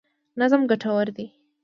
نظم ګټور دی.